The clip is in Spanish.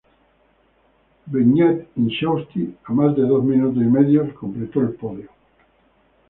Beñat Intxausti, a más de dos minutos y medio completó el podio.